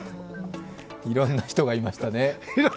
いろんな人がいましたね。